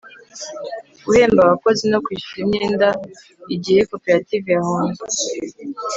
guhemba abakozi no kwishyura imyenda igihe koperative yahombye